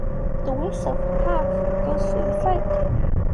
The Wey South Path goes through the site.